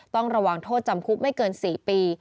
ต้องระวังโทษจำคุกไม่เกิน๔ปี